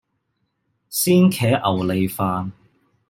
鮮茄牛脷飯